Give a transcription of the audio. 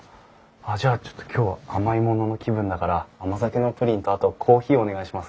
あっじゃあちょっと今日は甘いものの気分だから甘酒のプリンとあとコーヒーお願いします。